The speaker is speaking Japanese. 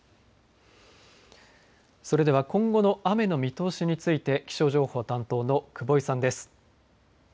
それでは今後の雨の見通しについて、気象情報担当の久保井さんです。